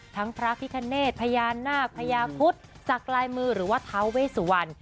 ทั้งพระพิธีเนธพญานาคพญาพุทธสักรายมือหรือว่าทาวเวสุวรรณ